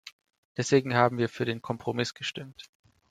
Deswegen haben wir für den Kompromiss gestimmt.